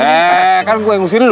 eh kan gue yang ngusir dulu